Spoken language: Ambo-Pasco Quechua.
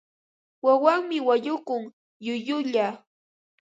Wawanmi wañukun llullulla.